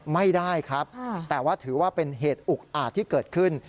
ไม่ได้ครับแต่ว่าถือว่าเป็นเหตุอุกอาจที่เกิดขึ้น